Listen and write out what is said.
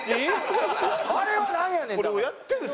あれはなんやねん？